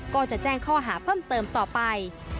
ก็จะแจ้งข้อหาเพิ่มเติมต่อไป